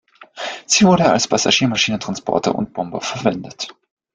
Sie wurde als Passagiermaschine, Transporter und Bomber verwendet.